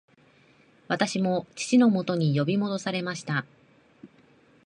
私も父のもとに呼び戻されました